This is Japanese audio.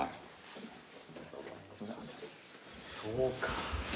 そうか。